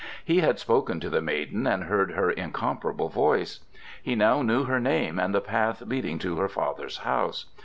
He had spoken to the maiden and heard her incomparable voice. He now knew her name and the path leading to her father's house.